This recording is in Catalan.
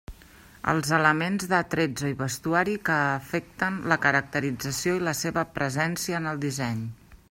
Els elements d'attrezzo i vestuari que afecten la caracterització i la seva presència en el disseny.